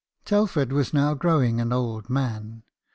Telford was now growing an old man.